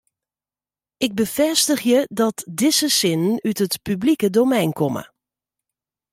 Ik befêstigje dat dizze sinnen út it publike domein komme.